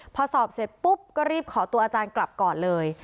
พอสอบเสร็จปุ๊บก็รีบขอตัวอาจารย์กลับก่อนเลย